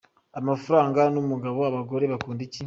Amafaranga n’umugabo, abagore bakunda iki?